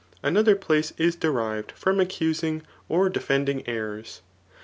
Another place is derived from accusing or d« iianding errors.